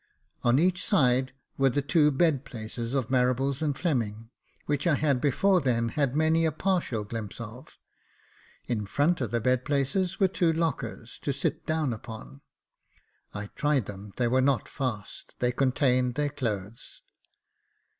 On each side were the two bed places of Marables and Fleming, which I had before then had many a partial glimpse of. In front of the bed places were two lockers, to sit down upon. I tried them — they were not fast — they contained their clothes.